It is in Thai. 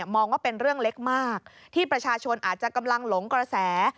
ว่าเป็นเรื่องเล็กมากที่ประชาชนอาจจะกำลังหลงกระแส